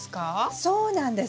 そうなんです！